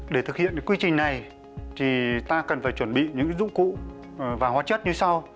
để thực hiện quy trình này thì ta cần phải chuẩn bị những dụng cụ và hóa chất như sau